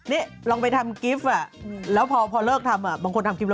นี่ลองไปทำทมนี